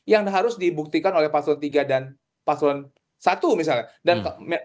yang harus dibuktikan oleh pasangan nomor tiga dan pasangan nomor satu misalnya